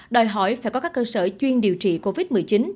đòi hỏi phải có các cơ sở chuyên điều trị covid một mươi chín